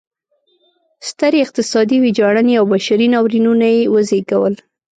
سترې اقتصادي ویجاړنې او بشري ناورینونه یې وزېږول.